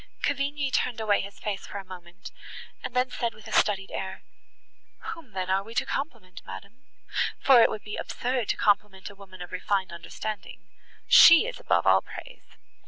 Cavigni turned away his face for a moment, and then said with a studied air, "Whom then are we to compliment, madam? for it would be absurd to compliment a woman of refined understanding; she is above all praise."